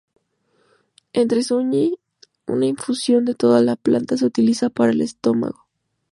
Entre los Zuñi, una infusión de toda la planta se utiliza para el estómago.